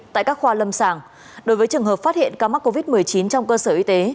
tại các khoa lâm sàng đối với trường hợp phát hiện ca mắc covid một mươi chín trong cơ sở y tế